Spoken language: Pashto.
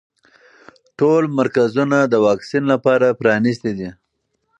ټول مرکزونه د واکسین لپاره پرانیستي دي.